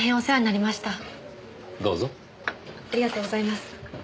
ありがとうございます。